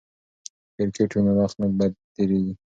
که کرکټ وي نو وخت نه بد تیریږي.